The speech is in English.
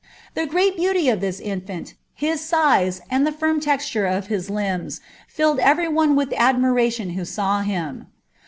The great beauty of L his size, and the tirm texture of his limbs, tilled every one itration who saw him.